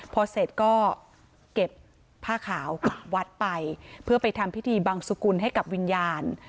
พอเสร็จก็เก็บผ้าขาวกลับวัดไปเพื่อไปทำพิธีบังสุกุลให้กับวิญญาณ